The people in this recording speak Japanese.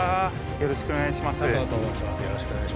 よろしくお願いします。